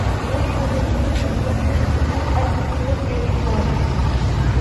ھېس قىلدىمكى، ھېسسىياتنى سىقماي ئەركىن قويۇپ بېرىش لازىم.